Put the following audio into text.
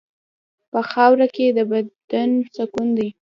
په خاوره کې د بدن سکون دی.